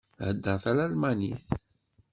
Theddeṛ talmanit.